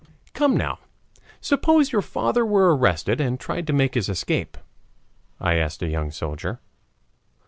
"Come, now, suppose your father were arrested and tried to make his escape?" I asked a young soldier.